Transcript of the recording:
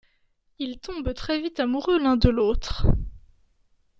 Ils tombent très vite amoureux l'un de l'autre.